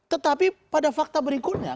tetapi pada fakta berikutnya